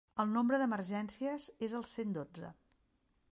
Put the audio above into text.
El nombre d'emergències és el cent dotze.